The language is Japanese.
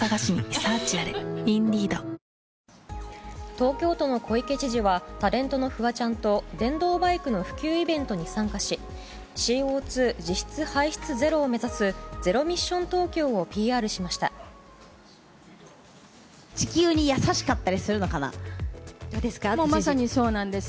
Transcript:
東京都の小池知事はタレントのフワちゃんと電動バイクの普及イベントに参加しＣＯ２実質排出ゼロを目指すゼロミッション東京をＰＲしました。